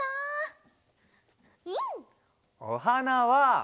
おはなは。